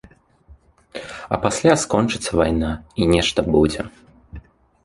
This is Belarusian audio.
А пасля скончыцца вайна і нешта будзе.